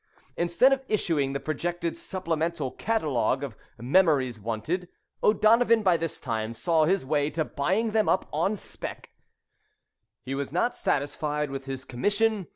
Instead of issuing the projected supplemental catalogue of "Memories Wanted," O'Donovan by this time saw his way to buying them up on spec. He was not satisfied with his commission.